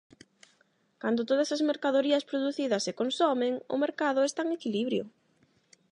Cando todas as mercadorías producidas se consomen, o mercado está en equilibrio.